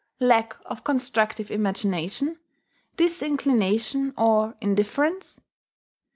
lack of constructive imagination? disinclination or indifference?